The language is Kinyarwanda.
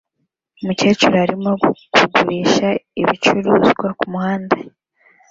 Umukecuru arimo kugurisha ibicuruzwa kumuhanda